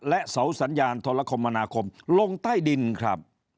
และเสาสัญญาณโทรคมมนาคมลงใต้ดินครับ